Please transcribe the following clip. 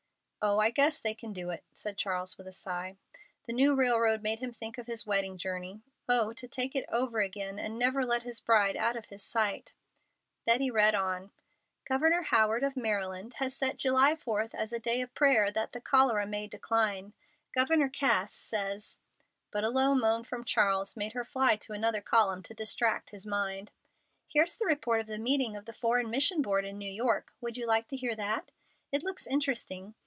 "Oh, I guess they can do it," said Charles, with a sigh. The new railroad made him think of his wedding journey. Oh, to take it over again and never let his bride out of his sight! Betty read on: "Governor Howard, of Maryland, has set July 4th as a day of prayer that the cholera may decline. Governor Cass says——" but a low moan from Charles made her fly to another column to distract his mind: "Here's the report of the meeting of the Foreign Mission Board in New York. Would you like to hear that? It looks interesting.